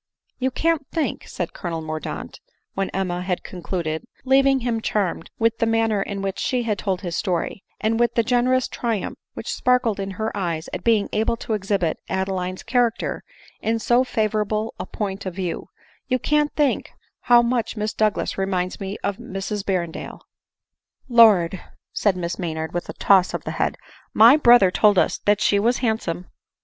" You can't think," said Colonel Mordaunt when Emma had concluded, leaving him charmed with the manner in which she had told his story, and with the generous triumph which sparkled in her eyes at being able to exhibit Adeline's character in so favorable a point of view, " you can't think how much Miss Douglas reminds me of Mrs Berrendale !" 280 ADELINE MOWBRAY. *" Lord !" said Miss Maynard with a toss of the head, " my brother told us that she was handsome